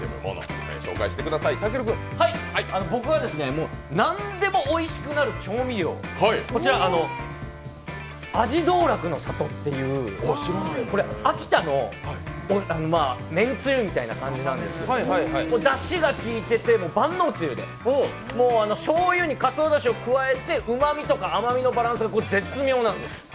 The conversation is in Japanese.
僕は何でもおいしくなる調味料こちら、味どうらくの里っていうこれ、秋田のめんつゆみたいな感じなんですけど、だしが効いてて万能つゆで、しょうゆにかつおだしを加えてうまみとか甘みのバランスが絶妙なんです。